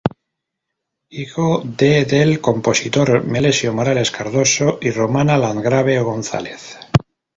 Hijo de del compositor Melesio Morales Cardoso y "Romana Landgrave González".